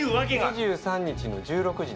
２３日の１６時ですね。